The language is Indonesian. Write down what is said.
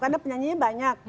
karena penyanyinya banyak